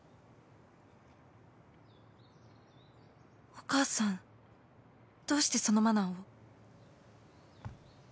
お母さんどうしてそのマナーを？